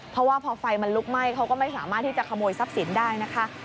เพราะว่าพอไฟมันลุกไหม้เขาก็ไม่สามารถที่จะขโมยทรัพย์สินได้นะคะ